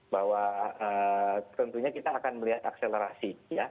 bahwa tentunya kita akan melihat akselerasi